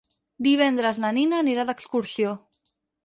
Divendres na Nina anirà d'excursió.